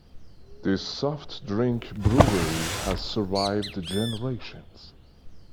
This soft drink brewery has survived generations.